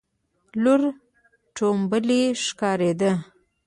لور ټومبلی ښکارېده.